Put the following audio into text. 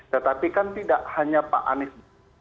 tetapi kan tidak hanya pak anies